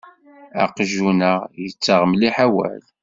Aqjun-a yettaɣ mliḥ awal.